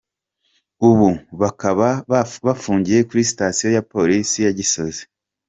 ubu bakaba bafungiye kuri Sitasiyo ya Polisi ya Gisozi.